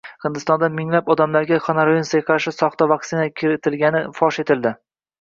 Hindistonda minglab odamlarga koronavirusga qarshi soxta vaksina kiritilgani fosh qilindi